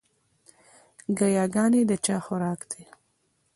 ګياګانې د چا خوراک دے؟